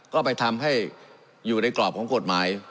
ก็ไปทำให้อยู่ในกรอบของกฎหมาย